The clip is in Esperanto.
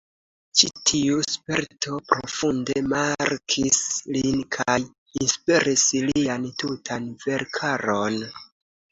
Ĉi tiu sperto profunde markis lin kaj inspiris lian tutan verkaron.